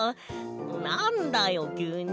なんだよきゅうに。